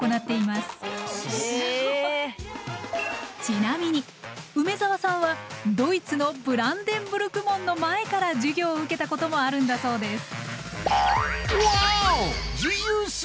ちなみに梅澤さんはドイツのブランデンブルク門の前から授業を受けたこともあるんだそうです。